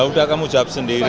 udah kamu jawab sendiri